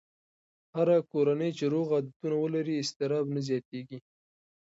هره کورنۍ چې روغ عادتونه ولري، اضطراب نه زیاتېږي.